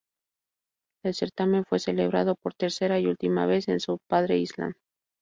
El certamen fue celebrado por tercera y última vez en South Padre Island.